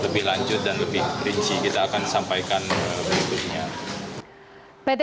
lebih lanjut dan lebih rinci kita akan sampaikan berikutnya